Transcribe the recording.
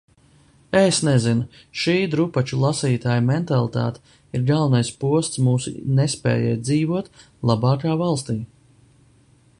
Es nezinu... šī drupaču lasītāju mentalitāte ir galvenais posts mūsu nespējai dzīvot labākā valstī.